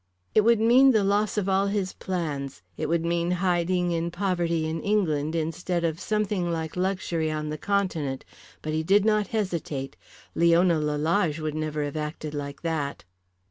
It would mean the loss of all his plans, it would mean hiding in poverty in England instead of something like luxury on the Continent, but he did not hesitate. Leona Lalage would never have acted like that.